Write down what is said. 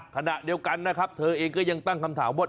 ขณะเดียวกันนะครับเธอเองก็ยังตั้งคำถามว่า